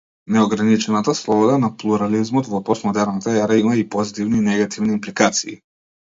Неограничената слобода на плурализмот во постмодерната ера има и позитивни и негативни импликации.